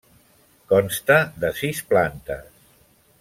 Consta de sis plantes.